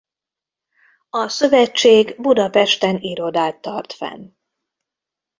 A Szövetség Budapesten irodát tart fenn.